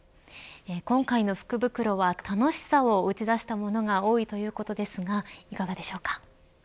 今回の福袋は楽しさを打ち出したものが多いということですがいかがでしょうか。